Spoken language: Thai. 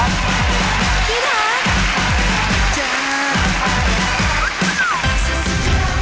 สวัสดีครับ